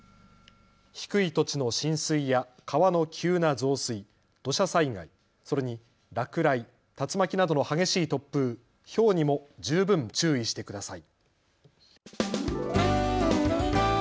低い土地の浸水や川の急な増水、土砂災害、それに落雷、竜巻などの激しい突風、ひょうにも十分注意してください。